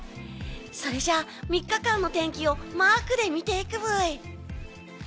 それじゃ、３日間の天気をマークで見ていくブイ！